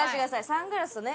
サングラスね。